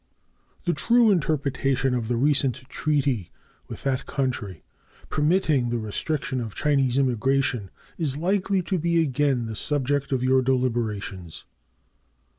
The true interpretation of the recent treaty with that country permitting the restriction of Chinese immigration is likely to be again the subject of your deliberations.